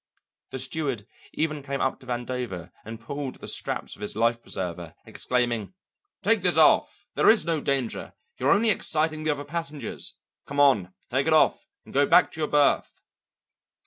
The steward even came up to Vandover and pulled at the straps of his life preserver, exclaiming, "Take this off! There is no danger; you're only exciting the other passengers. Come on, take it off and go back to your berth."